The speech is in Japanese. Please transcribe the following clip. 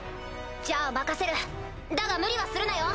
じゃあ任せるだが無理はするなよ！